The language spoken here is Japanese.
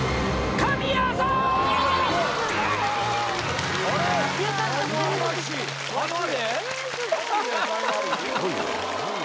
すごいね。